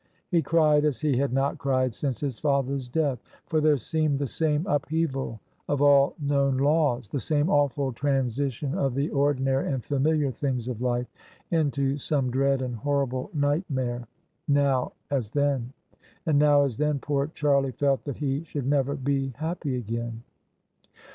He cried as he had not cried since his father's death; for there seemed the same upheaval of all known laws — ^the same awful transition of the ordinary and familiar things of life into some dread and horrible nightmare — ^now as then. And now as then poor Charlie felt that he should never be happy again.